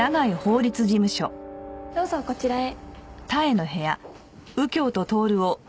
どうぞこちらへ。